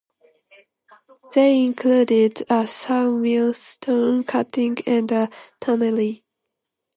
They included a saw mill, stone-cutting and a tannery.